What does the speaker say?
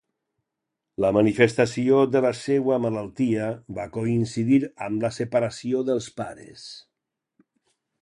La manifestació de la seua malaltia va coincidir amb la separació dels pares.